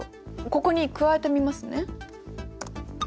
ここに加えてみますね。